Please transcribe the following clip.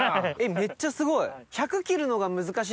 めっちゃすごい。